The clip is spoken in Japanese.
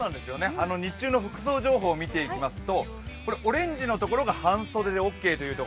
日中の服装情報見ていきますとオレンジの所が半袖でオッケーという所。